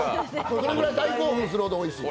それくらい大興奮するほどおいしい。